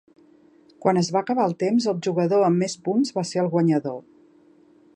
Quan es va acabar el temps, el jugador amb més punts va ser el guanyador.